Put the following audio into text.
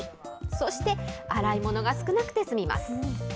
そして洗い物が少なくて済みます。